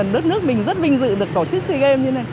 đất nước mình rất vinh dự được tổ chức sea games